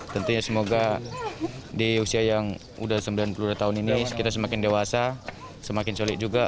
tentunya semoga di usia yang sudah sembilan puluh dua tahun ini kita semakin dewasa semakin solid juga